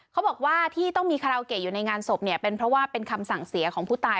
เขาบอกว่าที่ต้องมีคาราโอเกะอยู่ในงานศพเนี่ยเป็นเพราะว่าเป็นคำสั่งเสียของผู้ตาย